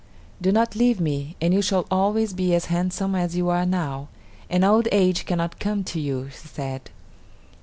"Do not leave me, and you shall always be as handsome as you are now, and old age cannot come to you," she said.